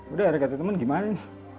udah kata temen gimana nih